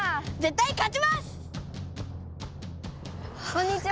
こんにちは。